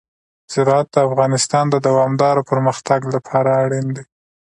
زراعت د افغانستان د دوامداره پرمختګ لپاره اړین دي.